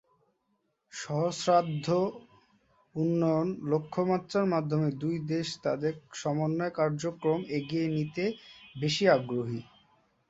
সহস্রাব্দ উন্নয়ন লক্ষ্যমাত্রার মাধ্যমে দুই দেশ তাদের সমন্বয় কার্যক্রম এগিয়ে নিতে বেশি আগ্রহী।